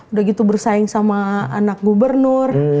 udah gitu bersaing sama anak gubernur